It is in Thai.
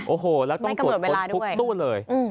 โอ้โฮแล้วต้องปลดคลุกตู้เลย